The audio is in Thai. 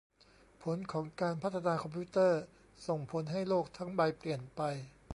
ผลของการพัฒนาคอมพิวเตอร์ ส่งผลให้โลกทั้งใบเปลี่ยนไป